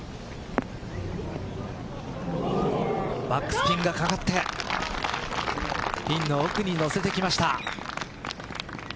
バックスピンがかかってピンの奥にのせてきました。